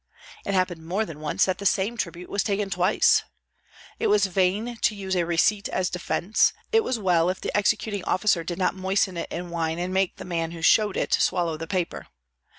It happened more than once that the same tribute was taken twice. It was vain to use a receipt as defence; it was well if the executing officer did not moisten it in wine and make the man who showed it swallow the paper.